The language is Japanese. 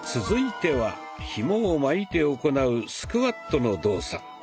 続いてはひもを巻いて行うスクワットの動作。